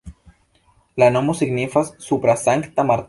La nomo signifas supra Sankta Marteno.